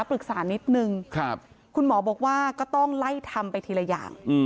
ปรึกษานิดนึงคุณหมอบอกว่าก็ต้องไล่ทำไปทีละอย่าง